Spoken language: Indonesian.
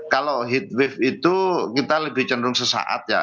kalau heat wave itu kita lebih cenderung sesaat ya